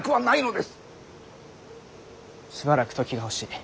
しばらく時が欲しい。